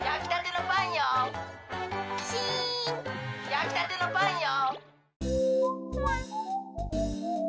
やきたてのパンよ。